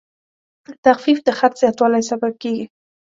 تخفیف د خرڅ زیاتوالی سبب کېږي.